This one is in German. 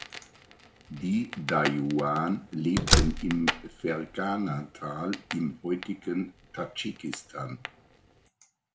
Die Dayuan lebten im Ferghanatal im heutigen Tadschikistan.